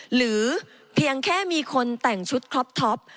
หรือเพียงแค่มีคนแต่งชุดครอบท็อป